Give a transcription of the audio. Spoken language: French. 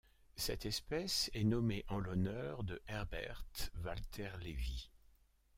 Cette espèce est nommée en l'honneur de Herbert Walter Levi.